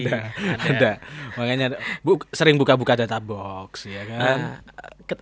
ada makanya bu sering buka buka data box ya kan